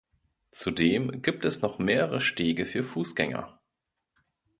Zudem gibt es noch mehrere Stege für Fußgänger.